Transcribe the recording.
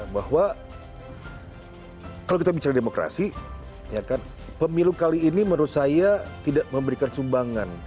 bahwa kalau kita bicara demokrasi pemilu kali ini menurut saya tidak memberikan sumbangan